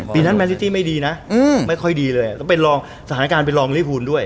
ปีนั้นแมนซิตี้ไม่ดีนะไม่ค่อยดีเลยสถานการณ์เป็นรองริภูลด้วย